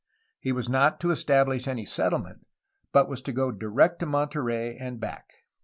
He was not to establish any settlement, but was to go direct to Monterey and back.